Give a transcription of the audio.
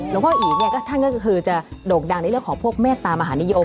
หลวงพ่ออีเนี่ยก็ท่านก็คือจะโด่งดังในเรื่องของพวกเมตตามหานิยม